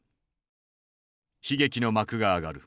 悲劇の幕が上がる。